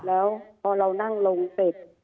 แล้วพอเรานั่งลงเสร็จ